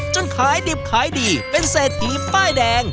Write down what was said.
ขายดิบขายดีเป็นเศรษฐีป้ายแดง